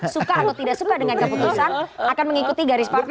suka atau tidak suka dengan keputusan akan mengikuti garis partai